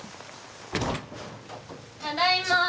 ただいま。